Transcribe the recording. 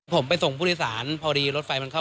ผมไปส่งผู้โดยสารพอดีรถไฟมันเข้า